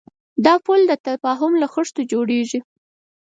دا پُل د تفاهم له خښتو جوړېږي.